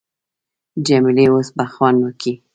جمیلې اوس به خوند وکي.